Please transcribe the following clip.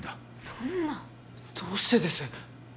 そんなどうしてです！？